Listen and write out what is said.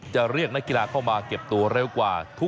จะเรียกนักกีฬาเข้ามาเก็บตัว